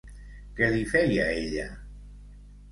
Què li feia ella?